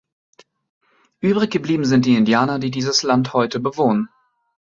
Übrig geblieben sind die Indianer, die dieses Land heute bewohnen.